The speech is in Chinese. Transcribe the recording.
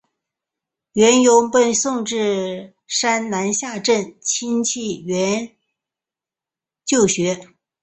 阮攸被送至山南下镇亲戚段阮俊就学。